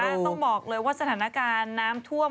ต้องบอกเลยว่าสถานการณ์น้ำท่วม